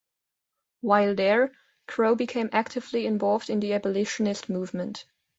While there, Crowe became actively involved in the abolitionist movement.